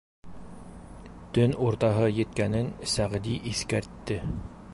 Төн уртаһы еткәнен Сәғди иҫкәртте: